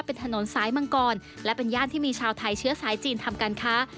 เป็นถนนสายมังกรและเป็นย่านที่มีชาวไทยเชื้อสายจีนทำการค้า